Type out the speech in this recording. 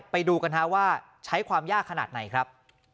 ไปดูกันว่าใช้ความยากขนาดไหนครับ